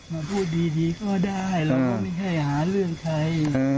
มาพูดดีก็ได้เราก็ไม่ให้หาเรื่องใคร